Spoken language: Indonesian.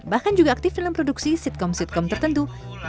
bahkan juga aktif dalam produksi sitkom sitkom tertentu